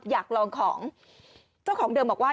อยากลองของเจ้าของเดิมบอกว่า